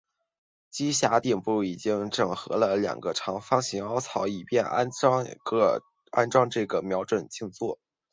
机匣顶部已经整合了两个长方形的凹槽以便安装这个瞄准镜座。